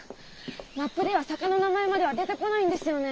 マップでは坂の名前までは出てこないんですよね。